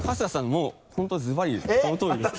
もう本当ズバリその通りです。